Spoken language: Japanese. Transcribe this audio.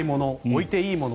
置いていいもの